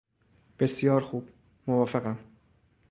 بسیار خوب موافقم.